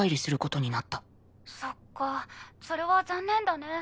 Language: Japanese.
「そっかそれは残念だね」